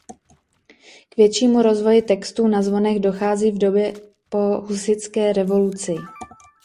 K většímu rozvoji textů na zvonech dochází v době po husitské revoluci.